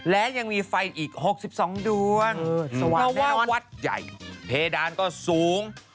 และยังมีไฟอีก๖๒ดวงเพราะว่าวัดใหญ่เพดานก็สูง